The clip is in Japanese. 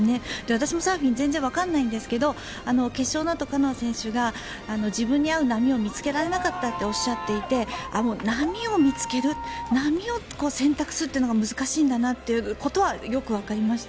私もサーフィン全然わからないんですけど決勝のあと、カノア選手が自分に合う波を見つけられなかったとおっしゃっていて波を見つける波を選択するというのが難しいんだなということはよくわかりました。